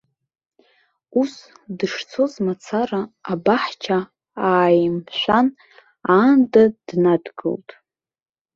Ус, дышцоз мацара, абаҳча ааимшәан, аанда днадгылт.